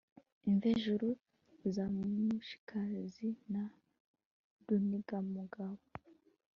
imvejuru za mushikazi na runigamugabo